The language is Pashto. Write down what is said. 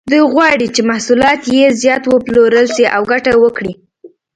دوی غواړي چې محصولات یې زیات وپلورل شي او ګټه وکړي.